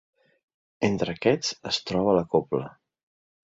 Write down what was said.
Entre aquests es troba la cobla.